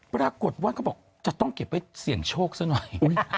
ปรากฏว่าเขาบอกจะต้องเก็บไว้เสี่ยงโชคซะหน่อย